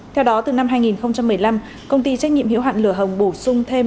theo đó từ năm hai nghìn một mươi năm công ty trách nhiệm hiệu hạn lửa hồng bổ sung thêm